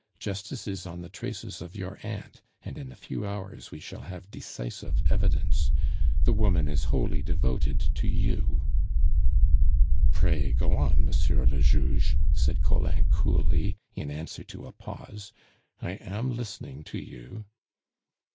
Justice is on the traces of your aunt, and in a few hours we shall have decisive evidence. The woman is wholly devoted to you " "Pray go on, Monsieur le Juge," said Collin coolly, in answer to a pause; "I am listening to you."